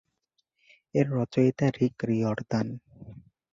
এর রচয়িতা রিক রিওরদান।